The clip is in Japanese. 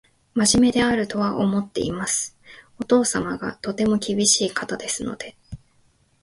真面目であるとは思っています。お父様がとても厳しい方ですので